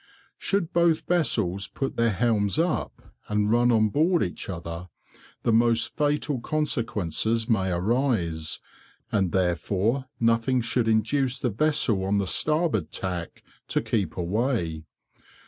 Should both vessels put their helms up and run on board each other, the most fatal consequences may arise, and therefore nothing should induce the vessel on the starboard tack to keep away.